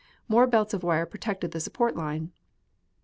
More belts of wire protected the support line.